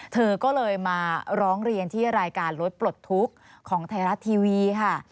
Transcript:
เธอก็เลยมาร้องเรียนที่รายการรถปลดทุกข์ของไทยรัฐทีวีค่ะ